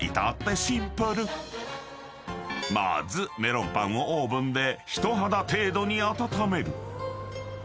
［まずメロンパンをオーブンで人肌程度に温める］